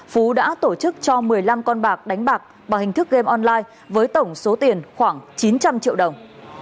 phú đã tổ chức cho một mươi năm con bạc đánh bạc bằng hình thức game online với tổng số tiền khoảng chín trăm linh triệu đồng